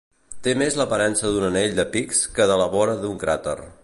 Té més l'aparença d'un anell de pics que de la vora d'un cràter.